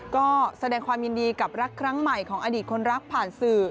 ก็แสดงความยินดีกับรักครั้งใหม่ของอดีตคนรักผ่านสื่อ